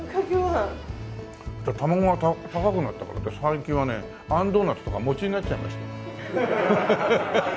そしたら卵が高くなったからって最近はねあんドーナツとか餅になっちゃいましたよ。